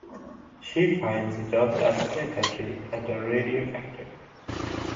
She finds a job as a secretary at a radio factory.